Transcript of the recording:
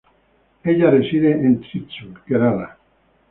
Ella reside en Thrissur, Kerala.